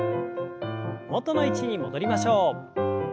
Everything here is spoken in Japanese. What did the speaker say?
元の位置に戻りましょう。